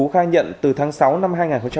phú khai nhận từ tháng sáu năm hai nghìn một mươi chín